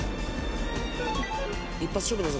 一発勝負だぞこれ。